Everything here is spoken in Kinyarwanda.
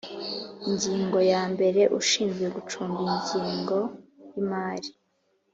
Ingingo ya mbere Ushinzwe gucunga ingengo y imari